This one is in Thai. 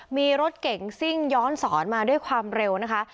มีรถเก่งซิ่งย้อนสอนมาด้วยความเร็วนะคะ